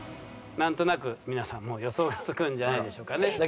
なんとなく皆さんもう予想がつくんじゃないでしょうかね。